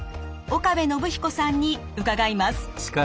岡部信彦さんに伺います。